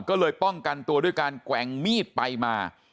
ก็เลยป้องกันตัวด้วยการแกว่งมีดไปมา